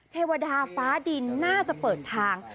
เทวดาฟ้าดินน่าจะเปิดทาง